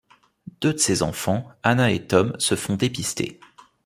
Deux de ses enfants, Anna et Tom, se font dépister.